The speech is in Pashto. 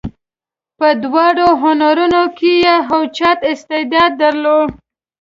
په دواړو هنرونو کې یې اوچت استعداد درلود.